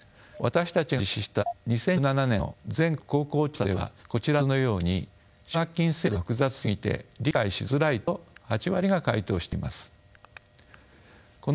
私たちが実施した２０１７年の全国高校調査ではこちらの図のように奨学金制度が複雑すぎて理解しづらいと８割が回答しています。